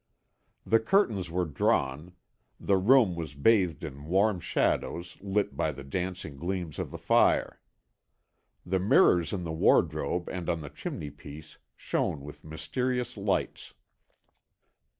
The curtains were drawn, the room was bathed in warm shadows lit by the dancing gleams of the fire. The mirrors in the wardrobe and on the chimney piece shone with mysterious lights.